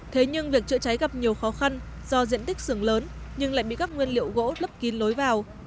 thế nhưng việc chữa cháy gặp nhiều khó khăn do diện tích xưởng lớn nhưng lại bị các nguyên liệu gỗ lấp kín lối vào